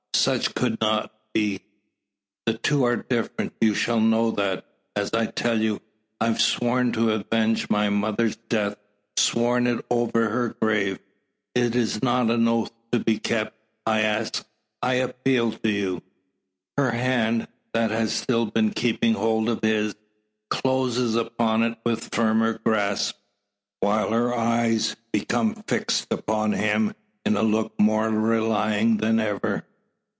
Such could not be. The two are different. You should know that. As I tell you, I've sworn to avenge my mother's death sworn it over her grave. Is that not an oath to be kept? I ask I appeal to you!" Her hand, that has still been keeping hold of his, closes upon it with firmer grasp, while her eyes become fixed upon him in look more relying than ever.